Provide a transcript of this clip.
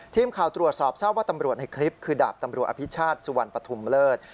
ทีมข่าวตรวจสอบทราบว่าตำรวจในคลิปคือดาบตำรวจอภิชาติสุวรรณปฐุมเลิศ